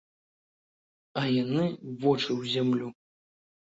А яны вочы ў зямлю.